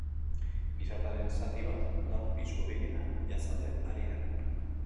Gizartearen zati bat da pisu gehiena jasaten ari dena.